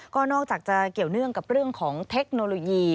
ก็นอกจากจะเกี่ยวเนื่องกับเรื่องของเทคโนโลยี